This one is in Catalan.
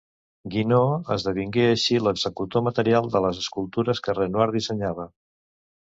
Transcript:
Guinó esdevingué així l'executor material de les escultures que Renoir dissenyava.